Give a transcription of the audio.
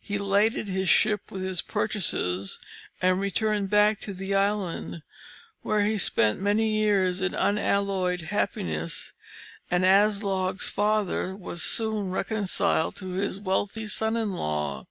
He laded his ship with his purchases, and returned back to the island, where he spent many years in unalloyed happiness, and Aslog's father was soon reconciled to his wealthy son in law.